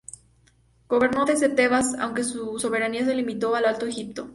Gobernó desde Tebas aunque su soberanía se limitó al Alto Egipto.